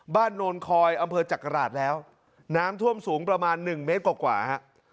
โนนคอยอำเภอจักราชแล้วน้ำท่วมสูงประมาณหนึ่งเมตรกว่าฮะ